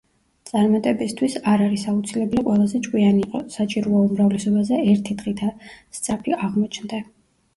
წარმატებისთვის არ არის აუცილებელი ყველაზე ჭკვიანი იყო, საჭიროა, უმრავლესობაზე ერთი დღით სწრაფი აღმოჩნდე.”